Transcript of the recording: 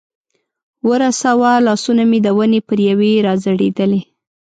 ورساوه، لاسونه مې د ونې پر یوې را ځړېدلې.